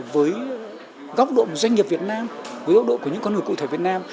với góc độ doanh nghiệp việt nam với góc độ của những con người cụ thể việt nam